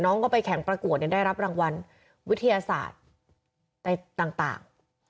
น้องก็ไปแข่งประกวดได้รับรางวัลวิทยาศาสตร์ต่าง